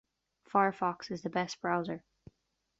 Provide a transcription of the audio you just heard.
Firefox is the best browser.